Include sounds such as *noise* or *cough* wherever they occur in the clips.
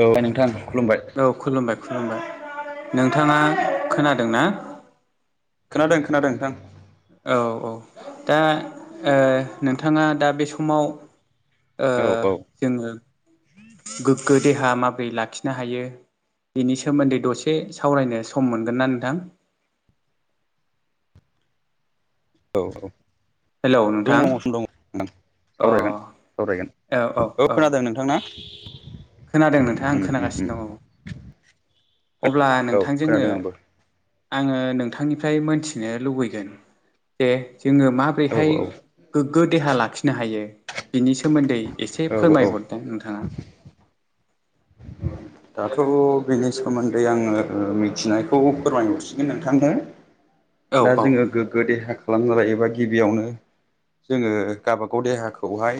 औ नोंथां खुलुमबाय औ खुलुमबाय खुलुमबाय नोंथाङा खोनादों ना खोनादों खोनादों नोंथां औ औ दा ओ नोंथाङा दा बे समाव ओ औ औ जोङो गोग्गो देहा माबोरै लाखिनो हायो बिनि सोमोन्दै दसे सावरायनो सम मोनगोन ना नोंथां? औ औ हेलौ दङ नोंथां *unintelligible* अ सावरायगोन सावरायगोन औ खोनादों नोंथां ना? खोनादों नोंथाङा आं उम उम उम खोनागासिनो दं औ। अब्ला औ नोंथां जोङो खोनादों आंबो आङो नोंथांनिफ्राय मोनथिनो लुबैगोन दे जोङो औ माबोरैहाय औ गोग्गो देहा लाखिनो हायो। बिनि सोमोन्दै एसे औ औ फोरमायहरदो नोंथाङा। दाथ' बेनि सोमोन्दै आङो मिथिनायखौ फोरमायहरसिगोन नोंथांनो। औ दा औ जोङो गोग्गो देहा खालामना लायोबा गिबियावनो जोङो गाबागाव देहाखौहाय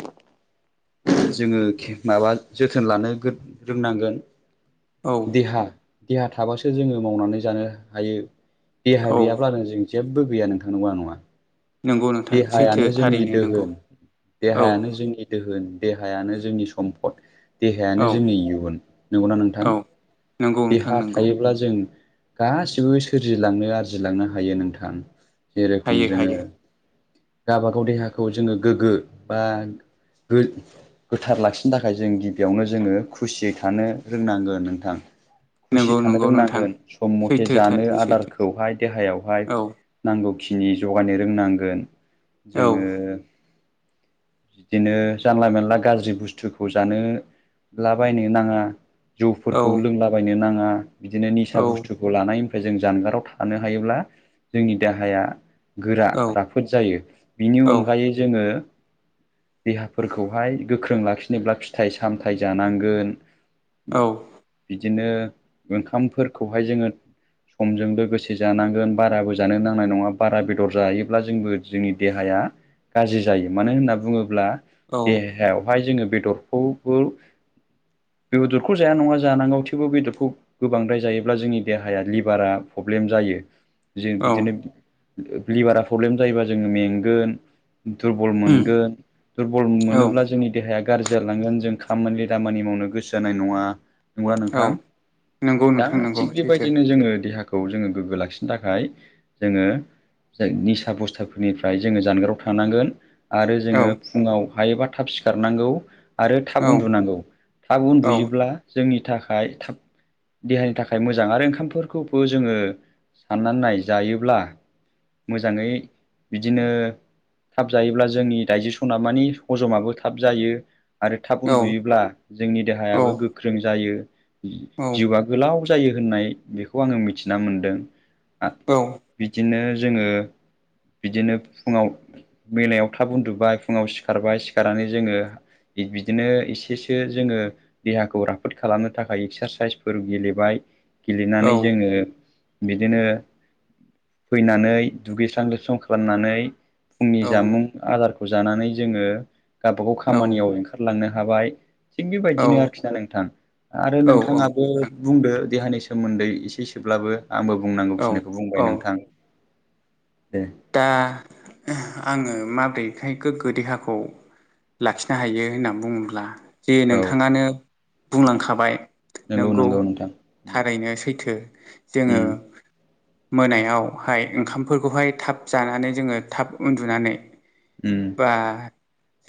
जोङो माबा जोथोन लानो रोंनांगोन। औ देहा देहा थाबासो जोङो मावनानै जानो हायो। देहा औ गैयाब्लाानो जों जेबो गैया नोंथां नंगौ ना नङा? नंगौ नोंथां सैथो देहायानो जोंनि थारैनो नंगौ दोहोन औ देहायानो जोंनि दोहोन देहायानो ज जोंनि सम्पद। देहायानो औ जोंनि इयुन नंगौना नोंथां? औ नंगौ नोंथां देहा नंगौ थायोब्ला जों गासिबो सोरजिलांनो आरजिलांनो हायो नोंथां जेरखम हायो जोङो हायो गाबागाव देहाखौ जोङो गोग्गो बा गो-गोथार लाखिनो थाखाय जों गिबियावनो जोङो खुसियै थानो रोंनांगोन नोंथां। नंगौ खुसि थानो नंगौ नोंथां रोंनांगोन सम मथे सैथो जानो थारैनो सैथो आदारखौहाय देहायावहाय औ नांगौखिनि जगायनो रोंनांगोन औ जोङो बिदिनो जानला मानला गाज्रि बुस्थुखौ जानो लाबायनो नाङा औ जौफोरखौ लोंलाबायनो नाङा बिदिनो निसा औ बुस्थुखौ लानाय जों जानगाराव थानो हायोब्ला जोंनि देहाया गोरा औ राफोद जायो बिनि औ अनगायै जोङो देहाफोरखौहाय गोख्रों लाखिनोब्ला फिथाइ सामथाइ जानांगोन औ बिदिनो ओंखामफोरखौहाय जोङो समजों लोगोसे जानांगोन बाराबो जानो नांनाय नङा बारा बेदर जायो ब्ला जोंबो जोंनि देहाया गाज्रि जायो मानो होनना बुङोब्ला औ देहायावहाय जोङो बेदरखौबो *unintelligible* बेदरखौ जाया नङा जानांगौ थेवबो बेदरखौ गोबांद्राय जायोब्ला जोंनि देहाया लिभारा प्रब्लेम जायो। जों औ बिदिनो लिभारा प्रब्लेम जायोबा जोङो मेंगोन दुरबल उम मोनगोन दुरबल औ मोनोब्ला जोंनि देहाया गाज्रि जालांगोन जों खामानि दामानि मावनो गोसो जानाय नङा। नंगौना औ नोंथां? नंगौ दा नोंथां नंगौ थिग सैथो बेबायदिनो जोङो देहाखौ जोङो गोग्गो लाखिनो थाखाय जोङो जों निस सा बुस्थाफोरनिफ्राय जोङो जानगाराव थांनांगोन आरो औ जोङो फुङाव हायोबा थाब सिखारनांगौ आरो थाब औ उन्दुनांगौ थाब उन्दुयोब्ला जोंनि थाखाय थाब देहानि थाखाय मोजां आरो ओंखामफोरखौबो जोङो साननानै नाय जायोब्ला मोजाङै बिदिनो थाब जायोब्ला जोंनि दाइजेसना माने हजमाबो थाब जायो। आरो थाब औ उन्दुयोब्ला जोंनि देहायाबो गोख्रों जायो औ जिउआ गोलाव जायो होननाय बेखौ आङो मिथिना मोन्दों औ बिदिनो जोङो बिदिनो फुङाव मोनायाव थाब उन्दुबाय फुङाव सिखारबाय सिखारनानै जोङो बिदिनो एसेसो जोङो देहाखौ राफोद खालामनो थाखाय एक्सारसाइसफोर गेलेबाय। औ गेलेनानै जोङो बिदिनो फैनानै दुगैस्रां लोब स्रां खालामनानै फुंनि औ जामुं आदारखौ जानानै जोङो गावबागाव औ खामानियाव ओंखारलांनो हाबाय थिग औ बेबायदिनो आरोखि ना नोंथां आरो औ नोंथाङाबो नोंथां बुंदो देहानि सोमोन्दै एसे सोब्लाबो आंबो बुंनांगौ औ खिनिखौ औ बुंबाय नोंथां दे दा आङो माब्रैखाय गोग्गो देहाखौ लाखिनो हायो होनना बुङोब्ला जे औ नोंथाङानो बुंलांखाबाय नंगौ नोंगौ नंगौ नोंथां उम थारैनो सैथो जोङो उम मोनायावहाय ओंखामफोरखौहाय थाब जानानै जोङो थाब उन्दुनानै उम बा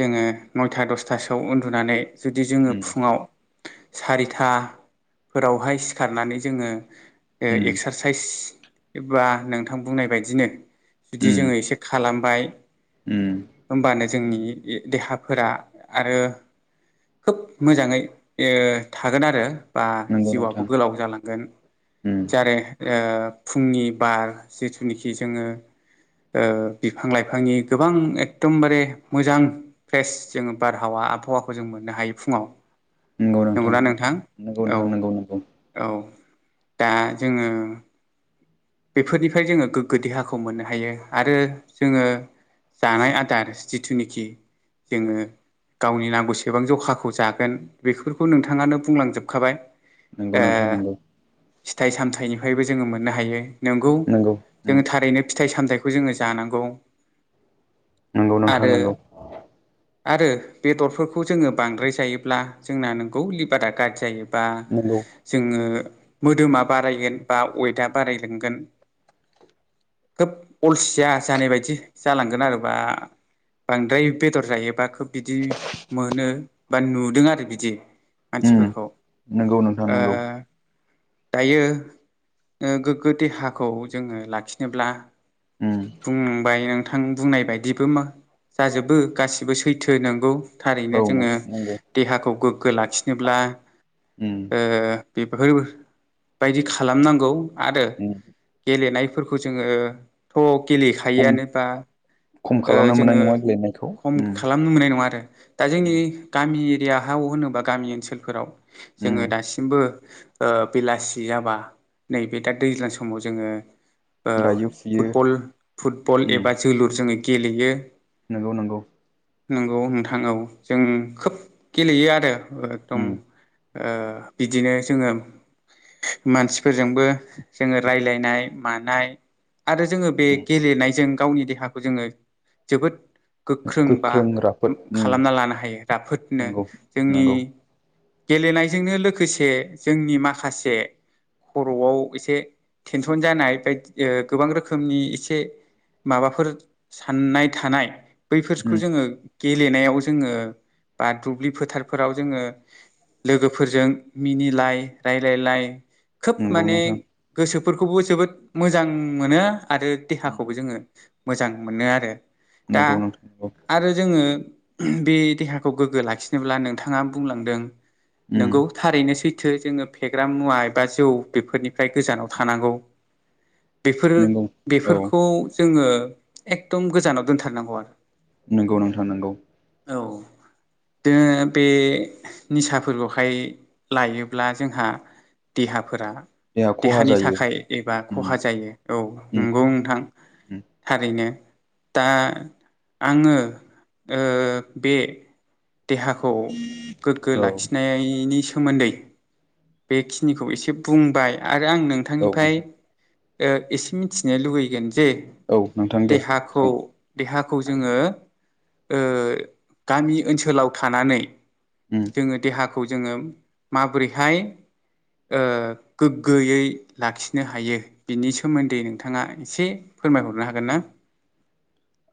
जोङो नयथा दसथासोआव उन्दुनानै जुदि जोङो उम फुङाव सारिथा फोरावहाय सिखारनानै जोङो ओ एक्सारसाइस बा नोंथां बुंनाय बायदिनो जुदि उम जोङो एसे खालामबाय उम होमबानो उम जोंनि ए देहा फोरा आरो खोब मोजाङै ओ थागोन आरो बा नंगौ जिउआबो नोंथां गोलाव जालांगोन उम जारो ओ फुंनि बार जिथुनिखि जोङो ओ बिफां लाइफांनि गोबां दमबारे मोजां फ्रेस जोङो बारहावा आबहावाखौ जों मोननो हायो फुङाव नंगौना नोंथां नंगौ औ नोंथां नंगौ नंगौ औ दा जोङो बेफोरनिफ्राय जोङो गोग्गो देहाखौ मोननो हायो आरो जोङो जानाय आदार जिथुनिखि जोङो गावनि नांगौसेबां जखाखौ जागोन बेफोरखौ नोंथाङानो बुंलांजोबखाबाय नंगौ ओ नोंथां नंगौ फिथाइ सामथाइनिफ्रायबो जोङो मोननो हायो नोंगौ नंगौ उम जोङो थारैनो फिथाइ सामथाय फो जोङो जानांगौ नंगौ नोंथां आरो नंगौ आरो बेदरफोरखौ जोङो बांद्राय जायोब्ला जोंना नोंगौ लिभारा गाज्रि जायो बा नंगौ जोङो मोदोमा बारायगोन बा अयटा बाराय दोंगोन खोब अलसिया जानाय बायदि जालांगोन आरो बा बांद्राय बेदर जायोबा खोब बिदि मोनो बा नुदों आरो बिदि उम मानसिफोरखौ नंगौ नोंथां ओ नंगौ दायो ओ गोग्गो देहाखौ जोङो लाखिनोब्ला उम बुंबाय नों थां बुंनाय बायदिबो मा जाजोबो गासिबो सैथो नोंगौ थारैनो औ जोङो नोंथां नंगौ देहाखौ गोग्गो लाखिनोब्ला उम ओ बे फोरबायदि खालामनांगौ आरो उम गेलेनायफोरखौ जोङो थ' खम गेलेखायोआनो बा खम ओ खालामनो मोननाय जोङो नङा गेलेनायखौ खम उम खालामनो मोननाय नङा आरो दा जोंनि उम गामि या हाव होनोबा गामि ओनसोलफोराव जोङो उम दासिमबो ओ बेलासि जाबा नैबे दा दैज्लां समाव जोङो ओ गायो फुयो फुटबल फुटबल एबा जोलुर जोङो गेलेयो नोंगौ नोंगौ नंगौ नोंथां औ जों खोब गेलेयो आरो एकदम उम ओ बिदिनो जोङो मानसिफोरजोंबो जोङो रायलायनाय मानाय आरो जोङो बे उम गेलेनायजों गावनि देहाखौ जोङो जोबोद गोख्रों बा राफोद उम खालामना लानो हायो राफोदनो नंगौ जोंनि नंगौ गेलेनायजोंनो लोगोसे जोंनि माखासे खर'आव एसे टेनसन जानाय बायदि ओ गोबां रोखोमनि एसे माबाफोर साननाय थानाय उम बैफोरखौ जोङो गेलेनायाव जोङो बा दुब्लि फोथारफोराव जोङो लोगोफोरजों मिनिलाय रायलायलाय खोब नंगौ माने नोंथां गोसोफोरखौबो जोबोद मोजां मोनो आरो उम देहाखौबो जोङो मोजां मोनो आरो दा नंगौ नोंथां नंगौ आरो जोङो बे देहाखौ गोग्गो लाखिनोब्ला नोंथाङा बुंलांदों उम नोंगौ थारैनो सै थो जोङो फेग्रा मुवा एबा जौ बेफोरनिफ्राय गोजानाव थानांगौ। बेफोरो नंगौ औ बेफोरखौ जोङो एकदम गोजानाव दोनथारनांगौ आरो। नोंगौ नोंथां नोंगौ। औ जोङो बे निसाफोरखौहाय लायोब्ला जोंहा देहाफोरा देहा खहा देहानि जायो थाखाय एबा उम खहा जायो औ उम नंगौ नोंथां उम थारैनो। दा आङो ओ बे देहाखौ गोग्गो औ लाखिनायनि सो मोन्दै बेखिनिखौ एसे बुंबाय आरो आं औ नोंथांनिफाय नोंथां ओ इसे मिनथिनो लुुबैगोन जे औ नोंथां दे देहाखौ सों देहाखौ जोङो ओ गामि ओनसोलाव थानानै उम जोङो देहाखौ खौ जोङो माबोरैहाय ओ गोग्गोयै लाखिनो हायो बिनि सोमोन्दै नोंथाङा इसे फोरमायहरनो हागोन ना? *inaudible*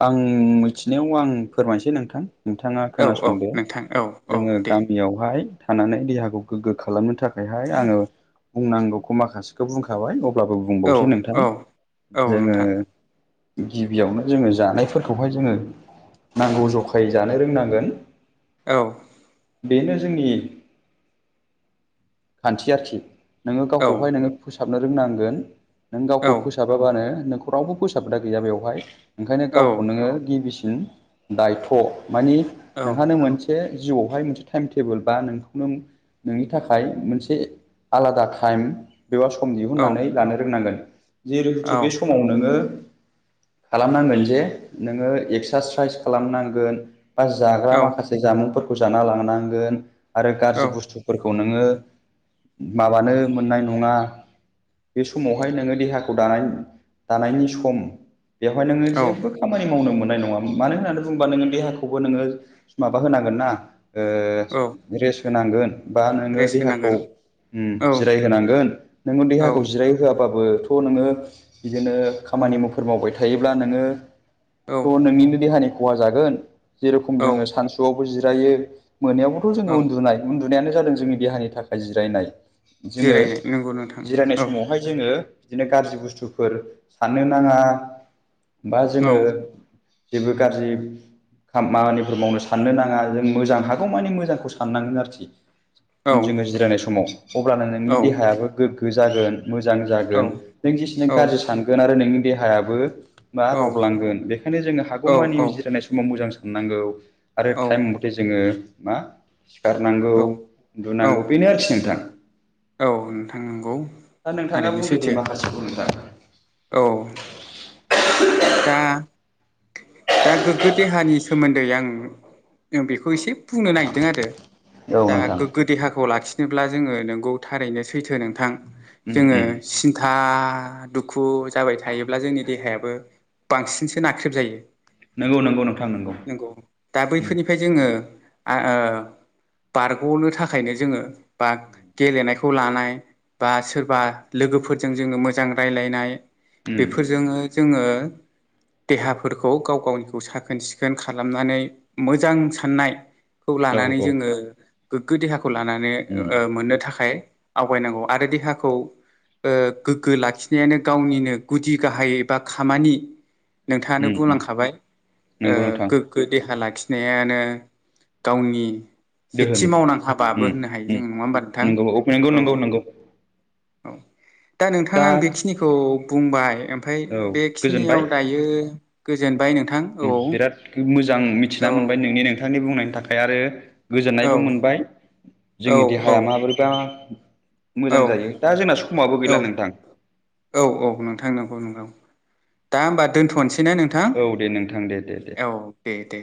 आं मिथिनायाव आं फोरमायसै नोंथां। नोंथाङा औ औ खोनासंदो नोंथां औ औ जोङो दे गामियावहाय थानानै देहाखौ गोगो खालामनो थाखायहाय आङो बुंनांगौखौ माखासेखौ बुंखाबाय ब्लाबो औ बुंबावसै नोंथां औ औ जोङो नोंथां गिबियावनो जोङो जानायफोरखौहाय जोङो नांगौ ज'खायै जानो रोंनांगोन। औ बेनो जोंनि खानथिया थि नोङो औ गावखौहाय नोङो फोसाबनो रोंनांगोन नों औ गावखौ फोसाबाबानो नोंखौ रावबो फोसाबग्रा गैया बेवहाय ओंखायनो औ गावखौ नोङो गिबिसिन दायथ' मानि औ नोंहानो मोनसे जिउआवहाय मोनसे टाइम टेबोल बा नोंखौनो नोंनि थाखा थाखाय मोनसे आलादा थाइम एबा सम औ दिहुननानै लानो रोंनांगोन। जिहेथु बे समाव नोङो खालामनांगोन जे नोङो एक्सारसाइस खालामनांगोन बा जाग्रा माखासे जामुंफोरखौ जाना लांनांगोन आरो औ गाज्रि बुस्थुफोरखौ खौ नोङो माबानो मोननाय नङा बे समावहाय नोङो देहाखौ दानाय दानायनि सम। बेवहाय नोङो औ जेबो खामानि मावनो मोन नाय नङा मानो होननानै बुङोबा नोङो देहाखौबो नोङो माबा होनांगोन ना ओ औ रेस होनांगोन बा नोङो रेस्ट देहाखौ होनांगोन ओम औ जिराय होनांगोन नोङो औ देहाखौ जिराय होआ बाबोथ' नोङो बिदिनो खामानि मुफोर मावबाय थायोब्ला नोङो औ थ' नोंनिनो देहानि ख'हा जागोन जेरेखम औ जोङो सानसुआवबो जिरायो मोनायावबोथ' जोङो औ उन्दुनाय उन्दुनायानो जादों जोंनि देहानि थाखाय जिरायनाय। जोङो जिरायनाय नंगौ नोंथां जिरायनाय औ समावहाय जोङो बिदिनो गाज्रि बुस्थुफोर साननो नाङा बा औ जोङो जेबो गाज्रि खामानिफोर मावनो साननो नाङा जों मोजां हागौ मानिे मोजांखौ साननांगोन आरोखि औ उन जोङो जिरायनाय समाव अब्लानो औ नोंनि देहायाबो गोग्गो जागोन मोजां जागोन औ नों जेसेनो गाज्रि सानगोन आरो नोंनि देहायाबो बा औ रबलांगोन बेखायनो जोङो औ हागौमानि औ जिरायनाय समाव मोजां साननांगौ आरो औ थाइम मथे जोङो मा सिखारनांगौ औ औ उन्दुनांगौ बेनो आरोखि नोंथां औ नोंथां नंगौ दा नोंथाङा थारैनो बुंदो दे सैथो माखासेखौ नोंथाङा औ दा दा गोग्गो देहानि सोमोन्दै आं बेखौ एसे बुंनो नागिरदों आरो औ दा नोंथां गोग्गो देहाखौ लाखिनोब्ला जोङो नोंगौ थारैनो सैथो नोंथां उम जोङो उम सिन्था दुखु जाबाय थायोब्ला जोंनि देहायाबो बांसिनसो नाख्रेब जायो नंगौ नंगौ नोंथां नंगौ दा उम बैफोरनिफ्राय जोङो बारग'नो थाखायनो जोङो बा गेलेनायखौ खौ लानाय बा सोरबा लोगोफोरजों जोङो मोजां रायजलायनाय उम बेफोरजोंनो जोङो देहाफोरखौ गाव गावनिखौ साखोन सिखोन खालामनानै मोजां साननाय खौ औ लानानै औ जोङो गोग्गो देहाखौ लानानै उम मोननो थाखाय आवगायनांगौ आरो देहाखौ गोग्गो लाखिनायानो गावनिनो गुदि गाहाय एबा खामानि नोंथाङानो उम उम बुंलांखाबाय नंगौ नोंथां गोग्गो देहा लाखिनाय नायानो गावनि दोहोन सेथि मावनां हाबाबो उम होननो हायो जोङो उम नङा होमबा नोंथां नंगौ नंगौ औ नंगौ नंगौ औ दा नोंथाङा आं बेखिनिखौ बुंबाय ओमफफ्राय औ गोजोनबाय बेखिनियाव दायो गोजोनबाय नोंथां उम औ बिराद मोजां मिथिना औ मोनबाय नोंनि नोंथांनि बुंनायनि थाखाय आरो औ गोजोननायबो मोनबाय जोंनि औ देहाया माबोरैबा औ मोजां जायो दा जोंना समाबो औ गैला नोंथां औ औ नोंथां नंगौ नोंथां दा होमबा दोन्थ'नोसैना नोंथां औ दे नोंथां दे दे दे औ दे दे